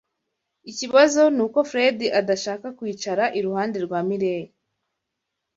Ikibazo nuko Fredy adashaka kwicara iruhande rwa Mirelle.